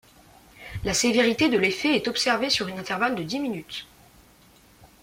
La sévérité de l'effet est observée sur un intervalle de dix minutes.